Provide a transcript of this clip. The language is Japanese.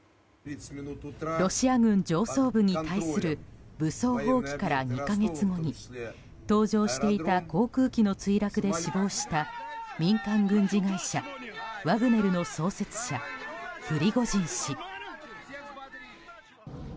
ロシア軍上層部に対する武装蜂起から２か月後に搭乗していた航空機の墜落で死亡した民間軍事会社ワグネルの創設者プリゴジン氏。